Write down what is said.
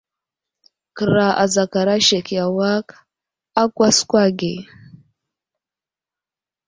Kəra azakara sek i awak a kwaakwa ge.